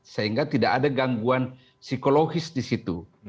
sehingga tidak ada gangguan psikologis di situ